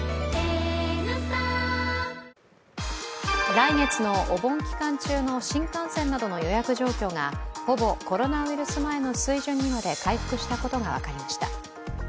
来月のお盆期間中の新幹線などの予約状況がほぼコロナウイルス前の水準にまで回復したことが分かりました。